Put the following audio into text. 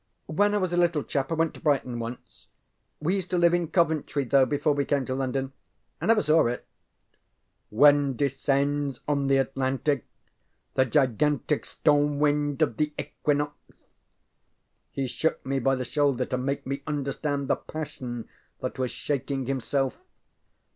ŌĆØ ŌĆ£When I was a little chap I went to Brighton once; we used to live in Coventry, though, before we came to London. I never saw it, ŌĆśWhen descends on the Atlantic The gigantic Storm wind of the Equinox.ŌĆÖŌĆØ He shook me by the shoulder to make me understand the passion that was shaking himself.